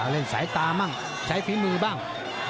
เล่นสายตามั่งใช้ฝีมือบ้าง